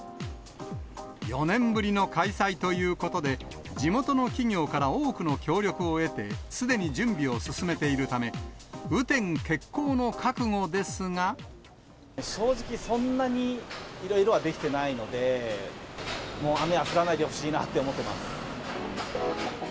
４年ぶりの開催ということで、地元の企業から多くの協力を得て、すでに準備を進めているため、正直、そんなにいろいろはできてないので、もう雨は降らないでほしいなと思っています。